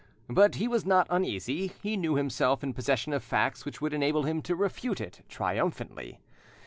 But he was not uneasy; he knew himself in possession of facts which would enable him to refute it triumphantly.